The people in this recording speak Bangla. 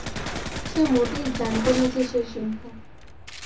সে মোটেই জানিত না যে, সে সিংহ।